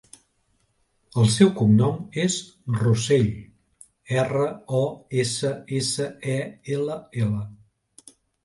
El seu cognom és Rossell: erra, o, essa, essa, e, ela, ela.